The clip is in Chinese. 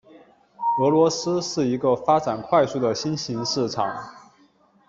俄罗斯是一个发展快速的新型市场。